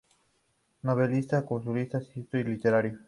Novelista, cuentista y crítico literario.